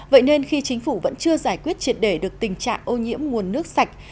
vậy nên khi chính phủ vẫn chưa giải quyết triệt đề được tình trạng ô nhiễm nguồn nước sạch